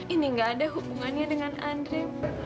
ini gak ada hubungannya dengan andre